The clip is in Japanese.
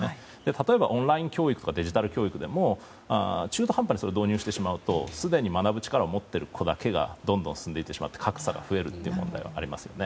例えば、オンライン教育とかデジタル教育でも中途半端に導入してしまうとすでに学ぶ力を持っている子だけがどんどん進んでいってしまって格差が広がるという問題があります。